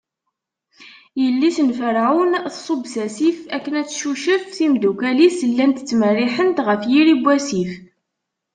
Yelli-s n Ferɛun tṣubb s asif akken Ad tcucef, timeddukal-is llant ttmerriḥent ɣef yiri n wasif.